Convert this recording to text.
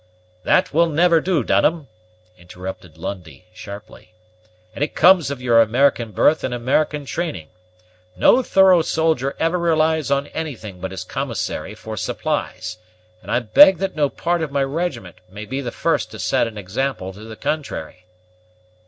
"That will never do, Dunham," interrupted Lundie sharply; "and it comes of your American birth and American training. No thorough soldier ever relies on anything but his commissary for supplies; and I beg that no part of my regiment may be the first to set an example to the contrary."